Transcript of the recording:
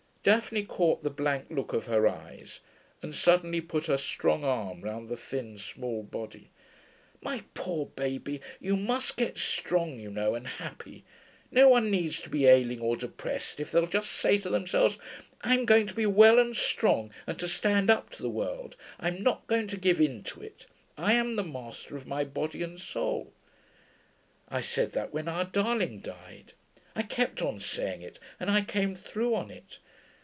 Daphne caught the blank look of her eyes, and suddenly put her strong arm round the thin, small body. 'My poor baby, you must get strong, you know, and happy. No one needs to be ailing or depressed if they'll just say to themselves, 'I am going to be well and strong and to stand up to the world. I'm not going to give in to it. I am the master of my body and soul.' I said that when our darling died; I kept on saying it, and I came through on it.